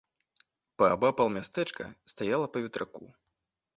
Паабапал мястэчка стаяла па ветраку.